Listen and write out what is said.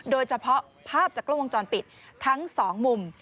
โดยเฉพาะภาพจากกล้องวงจรปิดทั้งสองมุม